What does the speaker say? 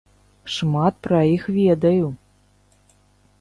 Шмат пра іх ведаю.